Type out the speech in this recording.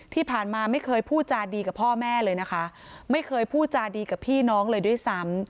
ที่ผ่านมาไม่เคยพูดจาดีกับพ่อแม่เลยนะคะไม่เคยพูดจาดีกับพี่น้องเลยด้วยซ้ำ